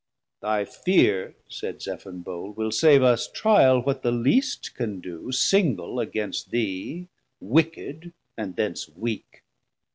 Thy fear, said Zephon bold, Will save us trial what the least can doe Single against thee wicked, and thence weak.